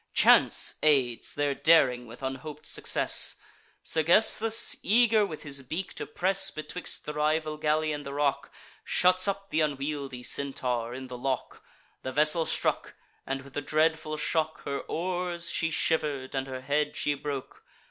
Chance aids their daring with unhop'd success; Sergesthus, eager with his beak to press Betwixt the rival galley and the rock, Shuts up th' unwieldly Centaur in the lock. The vessel struck; and, with the dreadful shock, Her oars she shiver'd, and her head she broke.